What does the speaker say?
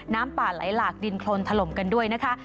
น้ำป่าไหลหลากดินโครนถล่มกันด้วยนะคะ